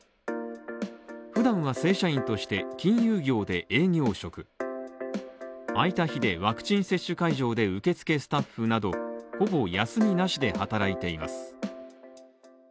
普段は正社員として金融業で営業職あいた日でワクチン接種会場で受付スタッフなどほぼ休みなしで働いています。